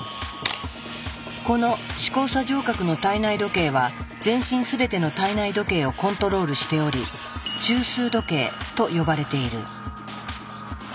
この視交叉上核の体内時計は全身すべての体内時計をコントロールしており「中枢時計」と呼ばれている。